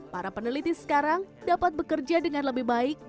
para peneliti sekarang dapat bekerja dengan lebih baik